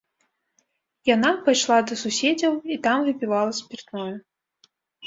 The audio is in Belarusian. Яна пайшла да суседзяў і там выпівала спіртное.